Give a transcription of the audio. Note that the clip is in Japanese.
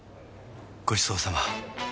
ごちそうさま！